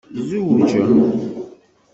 Tzewǧem?